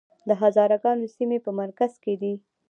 د هزاره ګانو سیمې په مرکز کې دي